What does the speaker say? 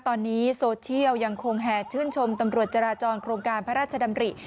ตอนนี้โซเชียลยังคงแห่ชื่นชมตำรวจจราจรโครงการพระราชดำริ